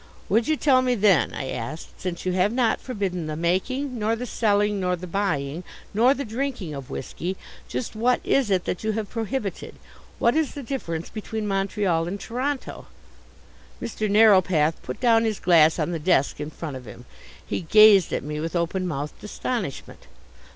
"Would you tell me then," I asked, "since you have not forbidden the making, nor the selling, nor the buying, nor the drinking of whisky, just what it is that you have prohibited? What is the difference between Montreal and Toronto?" Mr. Narrowpath put down his glass on the "desk" in front of him. He gazed at me with open mouthed astonishment.